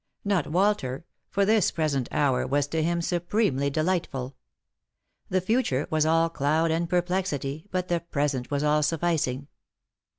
Not Walter, for this present hour was to him supremely delightful. The future was all cloud and perplexity, but the present was all sufficing.